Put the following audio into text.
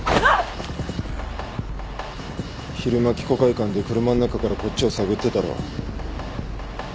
昼間きこ会館で車の中からこっちを探ってたろ？